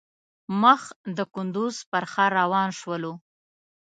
مخ د کندوز پر ښار روان شولو.